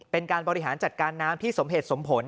เป็นการบริหารจัดการน้ำที่สมเหตุสมผล